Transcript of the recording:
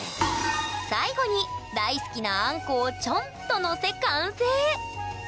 最後に大好きなあんこをチョンと載せ完成！